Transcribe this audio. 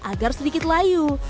agar sedikit layu